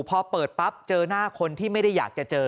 พอเปิดปั๊บเจอหน้าคนที่ไม่ได้อยากจะเจอ